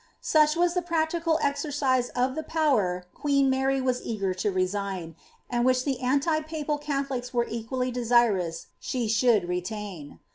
Such was the practical exercise of the power queen Mary was eager to resign, and which the anti papal Catholics were equally desirous she should retain.